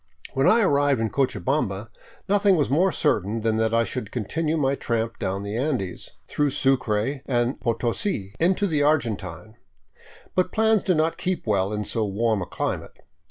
When I arrived in Cochabamba nothing was more certain than that I should continue my tramp down the Andes, through Sucre and Potosi, into the Argentine. But plans do not keep well in so warm a climate.